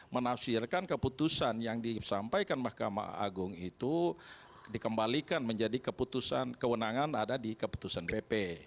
menafsirkan keputusan yang disampaikan mahkamah agung itu dikembalikan menjadi keputusan kewenangan ada di keputusan pp